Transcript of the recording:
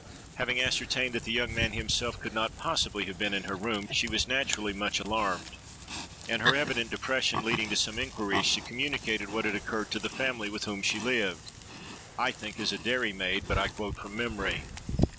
Having ascertained that the young man himself could not possibly have been in her room, she was naturally much alarmed, and, her evident depression leading to some inquiries, she communicated what had occurred to the family with whom she lived—I think as dairy maid; but I quote from memory.